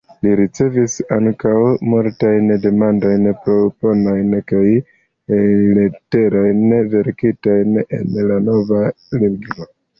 Li ricevis ankaŭ multajn demandojn, proponojn, kaj leterojn verkitajn en la nova lingvo.